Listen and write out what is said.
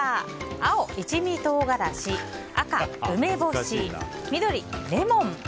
青、一味唐辛子赤、梅干し緑、レモン。